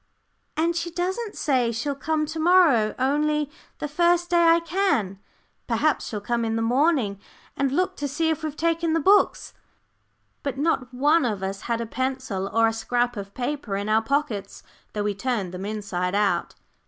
"And she doesn't say she'll come to morrow, only 'The first day I can.' Perhaps she'll come in the morning, and look to see if we've taken the books." But not one of us had a pencil or a scrap of paper in our pockets, though we turned them inside out.